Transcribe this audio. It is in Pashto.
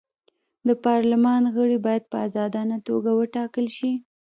د پارلمان غړي باید په ازادانه توګه وټاکل شي.